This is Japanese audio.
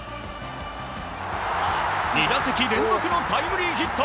２打席連続のタイムリーヒット！